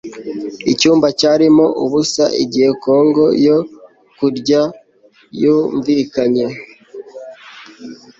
Icyumba cyarimo ubusa igihe gong yo kurya yumvikanye